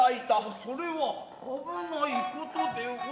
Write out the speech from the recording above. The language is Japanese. それは危ないことでおりゃる。